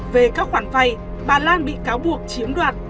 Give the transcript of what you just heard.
về các khoản vay bà lan bị cáo buộc chiếm đoạt